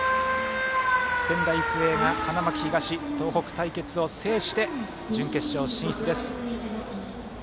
仙台育英が花巻東東北対決を制して準決勝進出です。